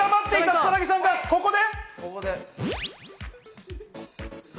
草薙さんがここで。